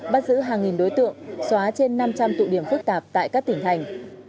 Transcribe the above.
bắt giữ hàng nghìn đối tượng xóa trên năm trăm linh tụ điểm phức tạp tại các tỉnh thành